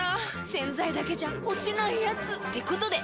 ⁉洗剤だけじゃ落ちないヤツってことで。